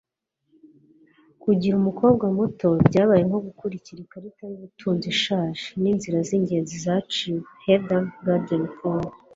kugira umukobwa muto byabaye nko gukurikira ikarita y'ubutunzi ishaje n'inzira z'ingenzi zaciwe - heather gudenkauf